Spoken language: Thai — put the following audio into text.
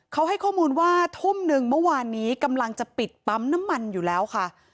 เขาให้ข้อมูลว่าทุ่มนึงเมื่อวานนี้กำลังจะปิดปั๊มน้ำมันอยู่แล้วค่ะ